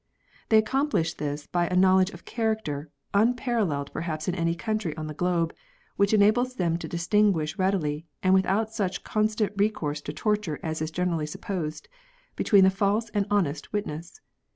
They accom plish this by a knowledge of character, unparalleled perhaps in any country on the globe, which enables them to distinguish readily, and without such constant recourse to torture as is generally supposed, between the false and honest witness.